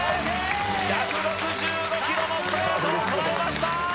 １６５キロのストレートを捉えました！